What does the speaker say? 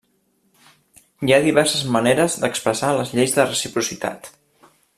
Hi ha diverses maneres d'expressar les lleis de reciprocitat.